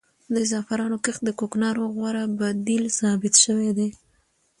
د زعفرانو کښت د کوکنارو غوره بدیل ثابت شوی دی.